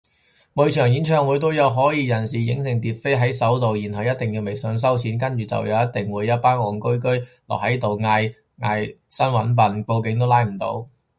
每場演唱會都有可疑人士影成疊飛喺手然後一定要微信收錢，跟住就一定會有一班戇居居落疊喺度呻搵笨，報警都拉唔到